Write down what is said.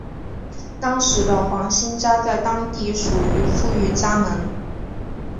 当时的黄兴家在当地属于富裕家门。